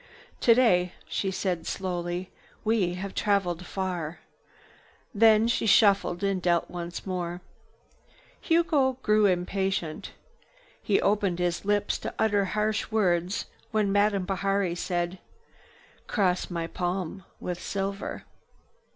"Today," she said slowly, "we have traveled far." Then she shuffled and dealt once more. Hugo grew impatient. He opened his lips to utter harsh words, when Madame said: "Cross my palm with silver."